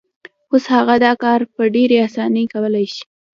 اوس هغه دا کار په ډېرې اسانۍ کولای شي.